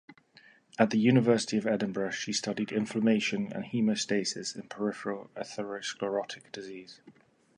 At the University of Edinburgh she studied inflammation and haemostasis in peripheral atherosclerotic disease.